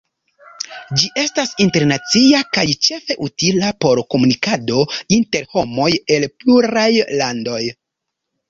Ĝi estas internacia kaj ĉefe utila por komunikado inter homoj el pluraj landoj.